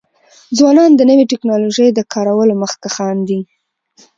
ځوانان د نوی ټکنالوژی د کارولو مخکښان دي.